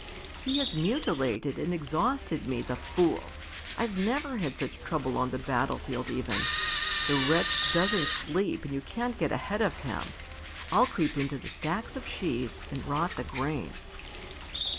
"He has mutilated and exhausted me, the fool! I've never had such trouble on the battlefield even. The wretch doesn't sleep and you can't get ahead of him. I'll creep into the stacks of sheaves and rot the grain."